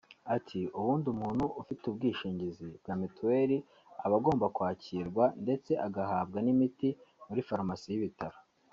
Ati “Ubundi umuntu ufite ubwishingizi bwa mituweli aba agomba kwakirwa ndetse agahabwa n’imiti muri farumasi y’ibitaro